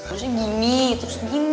lurusnya gini terus gini